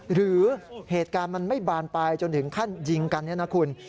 หรือเหตุการณ์มันไม่บานปลายจนถึงขั้นยิงกันเนี่ยนะคุณ